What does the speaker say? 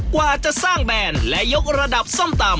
กว่าจะสร้างแบรนด์และยกระดับส้มตำ